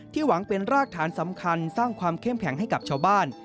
หวังเป็นรากฐานสำคัญสร้างความเข้มแข็งให้กับชาวบ้าน